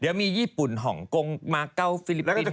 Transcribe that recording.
เดี๋ยวมีญี่ปุ่นห่องกงมาเกาฟิลิปปินส์